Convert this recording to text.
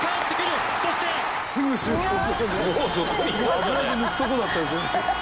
「危なく抜くとこだったんですね」